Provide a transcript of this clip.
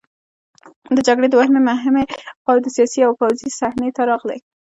د جګړې دوه مهمې خواوې د سیاسي او پوځي صحنې ته راغلې.